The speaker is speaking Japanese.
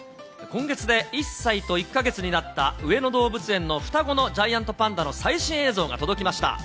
今月で１歳と１か月になった上野動物園の双子のジャイアントパンダの最新映像が届きました。